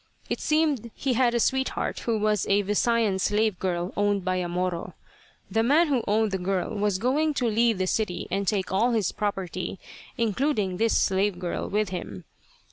It seemed he had a sweetheart who was a Visayan slave girl owned by a Moro. The man who owned the girl was going to leave the city and take all his property, including this slave girl, with him.